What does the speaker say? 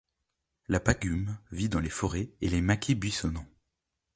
La pagume vit dans les forêts et les maquis buisonnants.